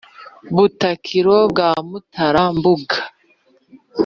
butakiro bwa mutara-mbuga,